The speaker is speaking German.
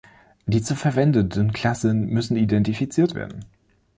Die zu verwendenden Klassen müssen identifiziert werden.